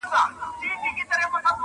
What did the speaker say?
خلک وه ډېر وه په عذاب له کفن کښه-